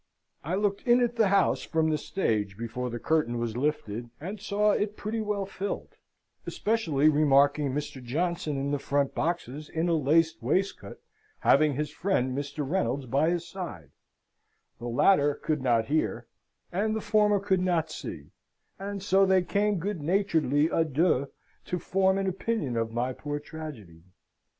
I looked in at the house from the stage before the curtain was lifted, and saw it pretty well filled, especially remarking Mr. Johnson in the front boxes, in a laced waistcoat, having his friend Mr. Reynolds by his side; the latter could not hear, and the former could not see, and so they came good naturedly A deux to form an opinion of my poor tragedy.